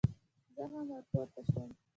زه هم ور پورته شوم.